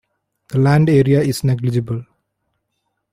The land area is negligible.